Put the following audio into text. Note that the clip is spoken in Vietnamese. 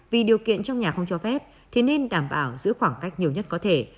vì điều kiện trong nhà không cho phép thì nên đảm bảo giữ khoảng cách nhiều nhất có thể